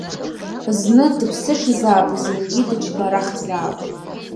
Зны дыԥсыҽзаап, зынгьы дыџьбарахзаап.